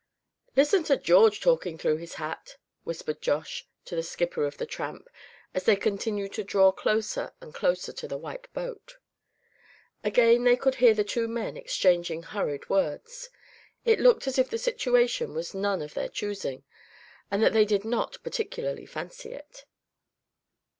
"Listen to George talkin' through his hat," whispered Josh, to the skipper of the Tramp, as they continued to draw closer and closer to the white boat. Again they could hear the two men exchanging hurried words. It looked as if the situation was none of their choosing, and that they did not particularly fancy it.